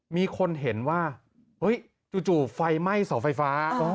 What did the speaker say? มีคนเห็นว่าเฮ้ยจู่ไฟไหม้เสาไฟฟ้า